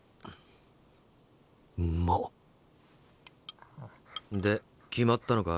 うまで決まったのか？